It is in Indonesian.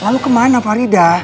lalu kemana farida